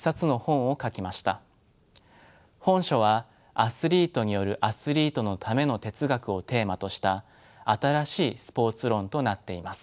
本書は「アスリートによるアスリートのための哲学」をテーマとした新しいスポーツ論となっています。